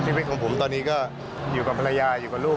ชีวิตของผมตอนนี้ก็อยู่กับภรรยาอยู่กับลูก